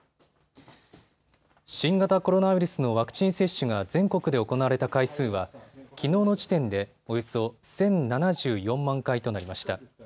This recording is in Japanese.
新型コロナウイルスのワクチン接種が全国で行われた回数はきのうの時点でおよそ１０７４万回となりました。